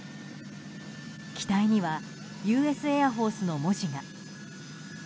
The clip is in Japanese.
機体にはＵＳエアフォースの文字が。